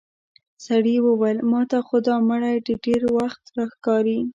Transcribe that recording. سړي وويل: ماته خو دا مړی د ډېر وخت ښکاري.